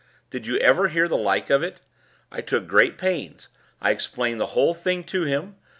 Did you ever hear the like of it? I took great pains; I explained the whole thing to him.